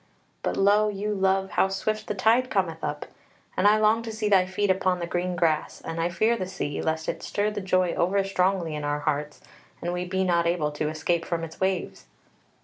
But lo you love, how swift the tide cometh up, and I long to see thy feet on the green grass, and I fear the sea, lest it stir the joy over strongly in our hearts and we be not able to escape from its waves."